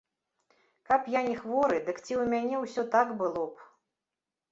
Каб я не хворы, дык ці ў мяне ўсё так было б?